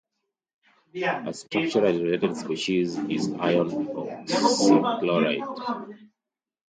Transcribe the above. A structurally related species is iron oxychloride.